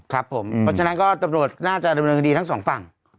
ครับผมฉะนั้นก็ตำรวจน่าจะระเบิดดีทั้งสองฝั่ง